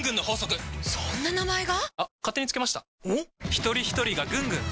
ひとりひとりがぐんぐん！